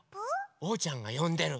おうちゃんがよんでる。